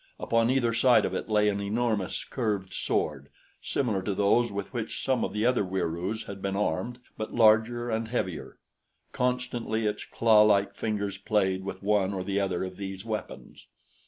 Upon either side of it lay an enormous, curved sword, similar to those with which some of the other Wieroos had been armed, but larger and heavier. Constantly its clawlike fingers played with one or the other of these weapons.